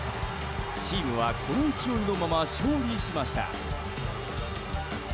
チームはこの勢いのまま勝利しました。